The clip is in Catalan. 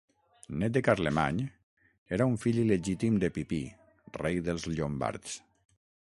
Nét de Carlemany, era un fill il·legítim de Pipí, rei dels Llombards.